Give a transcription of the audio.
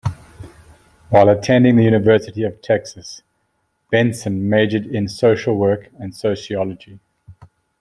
While attending the University of Texas, Benson majored in social work and sociology.